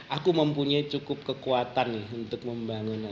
aku mempunyai cukup kekuatan untuk membangun